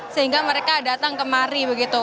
sehingga mereka datang kemari begitu